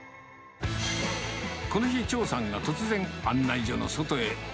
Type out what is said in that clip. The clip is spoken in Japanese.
この日、張さんが突然、案内所の外へ。